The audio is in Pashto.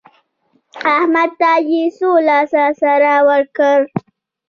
احمد ته يې څو لاس سره ورکړل؟